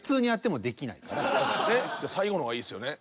だって最後の方がいいっすよね。